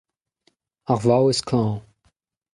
Ar vaouez klañv.